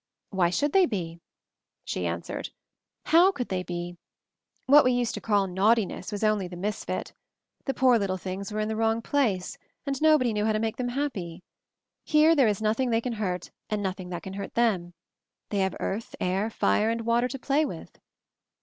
"Why should they be?" she answered. "How could they be? What we used to call 'naughtiness' was only the misfit. The poor little things were in the wrong place — and nobody knew how to make them happy. Here there is nothing they can hurt, and nothing that can hurt them. They have earth, air, fire, and water to play with."